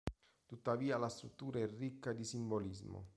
Tuttavia la struttura è ricca di simbolismo.